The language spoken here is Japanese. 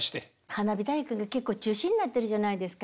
花火大会が結構中止になってるじゃないですか。